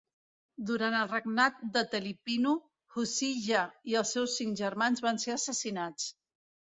Durant el regnat de Telipinu, Huzziya i els seus cinc germans van ser assassinats.